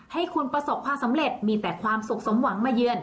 ให้คุณประสบความสำเร็จมีแต่ความสุขสมหวังมาเยือน